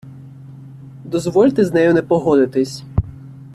Дозвольте з нею не погодитись.